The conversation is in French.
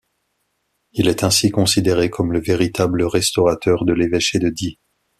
Il est ainsi considéré comme le véritable restaurateur de l'évêché de Die.